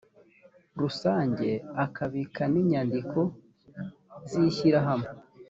rusange akabika n’inyandiko z’ishyirahamwe